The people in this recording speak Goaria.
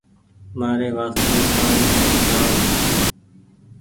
مآري وآستي پآڻيٚ آئو